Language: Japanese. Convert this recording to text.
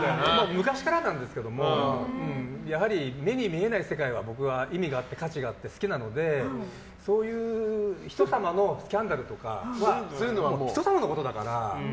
昔からなんですけどもやはり目に見えない世界は僕は意味があって価値があって好きなので、そういう人様のスキャンダルとかは人様のことだから。